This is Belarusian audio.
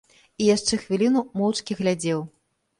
І яшчэ хвіліну моўчкі глядзеў.